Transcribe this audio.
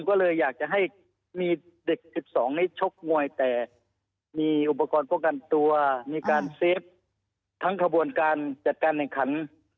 ก็เลยอยากจะให้มีเด็ก๑๒นี่ชกมวยแต่มีอุปกรณ์ป้องกันตัวมีการเซฟทั้งขบวนการจัดการแห่งขัน